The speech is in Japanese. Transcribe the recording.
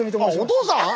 お父さん？